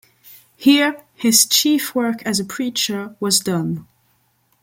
Here his chief work as a preacher was done.